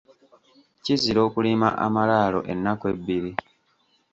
Kizira okulima amalaalo ennaku ebbiri.